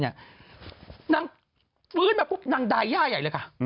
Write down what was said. นางฟื้นมาปุ๊บนางดายย่าใหญ่เลยค่ะ